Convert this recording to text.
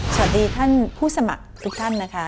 สวัสดีท่านผู้สมัครทุกท่านนะคะ